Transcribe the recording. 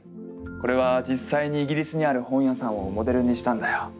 これは実際にイギリスにある本屋さんをモデルにしたんだよ。